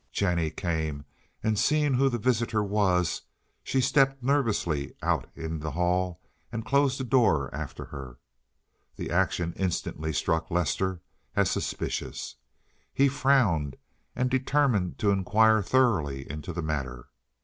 Jennie came, and seeing who the visitor was, she stepped nervously out in the hall and closed the door after her. The action instantly struck Lester as suspicious. He frowned and determined to inquire thoroughly into the matter.